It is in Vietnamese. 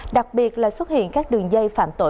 đặc biệt là xuất hiện các đường dây phạm tội